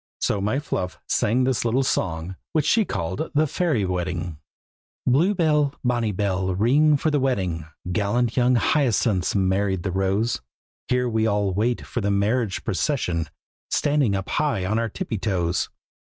So my Fluff sang this little song, which she called "The Fairy Wedding:" Blue bell, bonny bell, ring for the wedding! Gallant young Hyacinth's married the rose; Here we all wait for the marriage procession, Standing up high on our tippy toe toes.